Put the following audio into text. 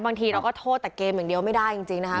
บางทีเราก็โทษแต่เกมอย่างเดียวไม่ได้จริงนะคะ